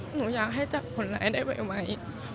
หนูอยากให้จับคนร้ายได้ไว